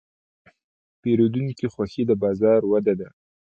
د پیرودونکي خوښي د بازار وده ده.